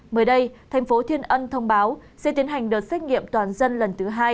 mới đây thành phố thiên ân thông báo sẽ tiến hành đợt xét nghiệm toàn dân lần thứ hai